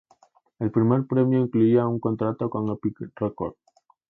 El primer premio incluía un contrato con Epic Records.